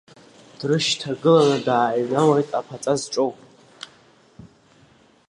Дрышьҭагыланы дааҩналоит Аԥаҵа зҿоу.